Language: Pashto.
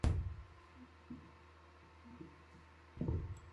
هلته د شیرعالم یاران په خپلو کړو پښیمانه دي...